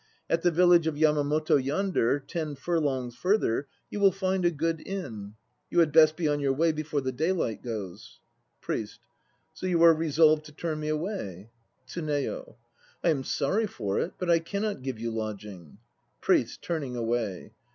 At the village of Yamamoto yonder, ten furlongs further, you will find a good inn. You had best be on your way before the daylight goes. PRIEST. So you are resolved to turn me away? TSUNEYO. I am sorry for it, but I cannot give you lodging. PRIEST (turning away).